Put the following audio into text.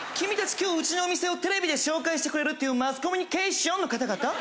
今日うちの店をテレビで紹介してくれるっていうマスコミュニケーションの方々？